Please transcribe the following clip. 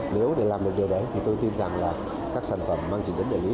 nếu để làm được điều đấy thì tôi tin rằng là các sản phẩm mang chỉ dẫn địa lý